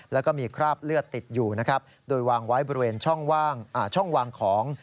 และมีคราบเลือดติดอยู่โดยวางไว้บริเวณช่องวางของ